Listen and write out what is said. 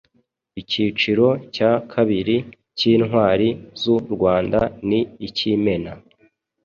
Ikiciro cya kabiri k’intwari z’u Rwanda ni ik’Imena